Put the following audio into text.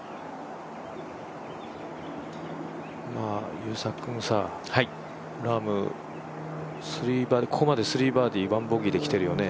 優作君さ、ラーム、ここまで３バーディー・１ボギーできてるよね。